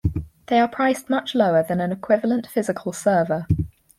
They are priced much lower than an equivalent physical server.